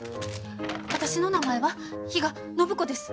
私の名前は比嘉暢子です。